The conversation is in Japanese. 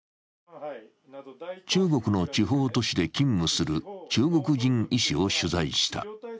中国の地方都市で勤務する中国人医師を取材した。